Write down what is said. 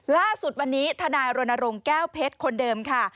ล่าสุดวันนี้ทนายรณรงค์แก้วเพชรคนเดิมค่ะ